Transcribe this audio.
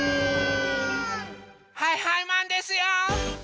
はいはいマンですよ！